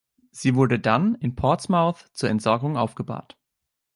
Sie wurde dann in Portsmouth zur Entsorgung aufgebahrt.